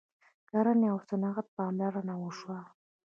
کرنې او صنعت ته پاملرنه وشوه.